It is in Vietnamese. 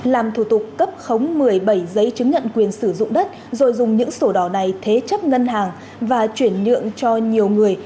làm thủ tục cấp khống một mươi bảy giấy chứng nhận quyền sử dụng đất rồi dùng những sổ đỏ này thế chấp ngân hàng và chuyển nhượng cho nhiều người